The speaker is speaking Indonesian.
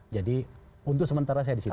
jadi untuk sementara saya disitu